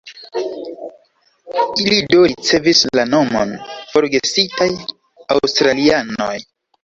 Ili do ricevis la nomon "Forgesitaj Aŭstralianoj".